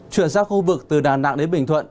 chuyển sang khu vực từ đà nẵng đến bình thuận